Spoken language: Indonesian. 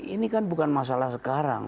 ini kan bukan masalah sekarang